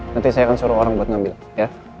nanti saya akan suruh orang buat ngambil ya